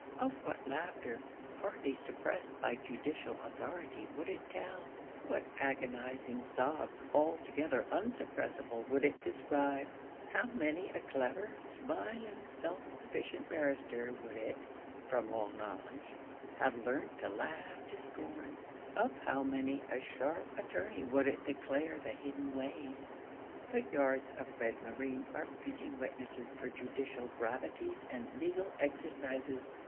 Of what laughter hardly suppressed by judicial authority would it tell what agonizing sobs altogether unsuppressable would it describe how many a clever, smiling, self sufficient barrister would it, from long knowledge, have learnt to laugh to scorn of how many a sharp attorney would it declare the hidden ways! But yards of red moreen are fitting witnesses for judicial gravities and legal exercises.